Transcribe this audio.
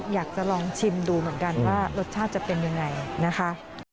อยากจะลองชิมดูเหมือนกันว่ารสชาติจะเป็นยังไงนะคะ